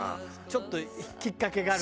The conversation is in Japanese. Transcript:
ちょっときっかけがあるとね。